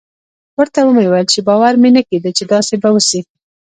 ورته ومې ويل چې باور مې نه کېده چې داسې به وسي.